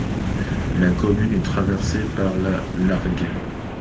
La commune est traversée par la Largue.